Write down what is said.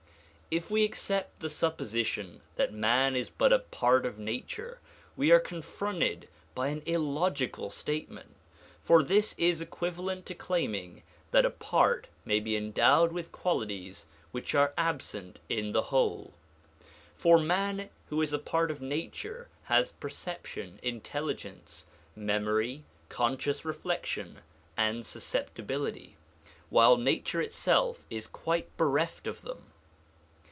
If we accept the supposition that man is but a part of nature, we are confronted by an illogical statement, for this is equivalent to claiming that a part may be endowed with qualities which are absent in the whole. For man who is a part of nature has per ception, intelligence, memory, conscious reflection and susceptibility, while nature itself is quite bereft of them.